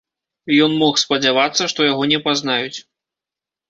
Ён мог спадзявацца, што яго не пазнаюць.